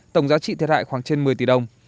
tổng giá trị thiệt hại khoảng trên một mươi tỷ đồng